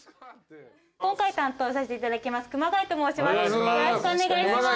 今回担当させていただきます熊谷と申します